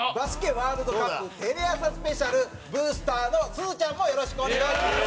ワールドカップテレ朝ＳＰブースターのすずちゃんもよろしくお願いします。